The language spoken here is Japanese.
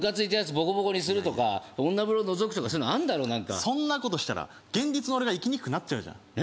ボコボコにするとか女風呂のぞくとかそういうのあんだろなんかそんなことしたら現実の俺が生きにくくなっちゃうじゃん何？